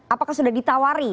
apakah sudah ditawari